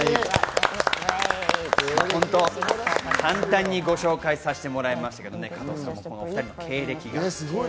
簡単にご紹介させてもらいましたけどね、お２人の経歴が。